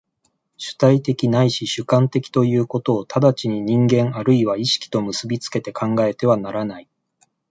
主体的ないし主観的ということを直ちに人間或いは意識と結び付けて考えてはならない。